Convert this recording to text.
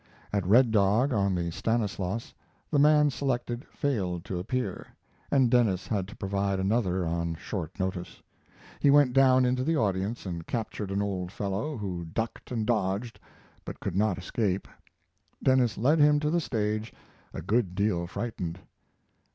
At Red Dog, on the Stanislaus, the man selected failed to appear, and Denis had to provide another on short notice. He went down into the audience and captured an old fellow, who ducked and dodged but could not escape. Denis led him to the stage, a good deal frightened.